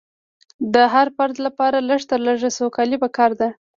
د هر فرد لپاره لږ تر لږه سوکالي پکار ده.